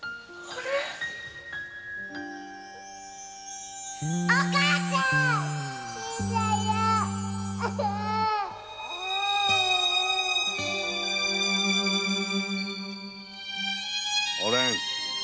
おれん。